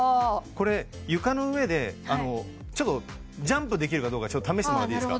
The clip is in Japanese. これ床の上でちょっとジャンプできるかどうか試してもらっていいですか？